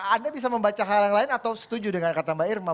anda bisa membaca hal yang lain atau setuju dengan kata mbak irma